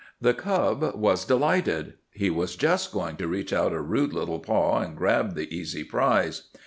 The cub was delighted. He was just going to reach out a rude little paw and grab the easy prize.